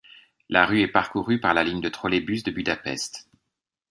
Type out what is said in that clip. La rue est parcourue par la ligne du trolleybus de Budapest.